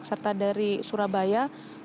serta dari surabaya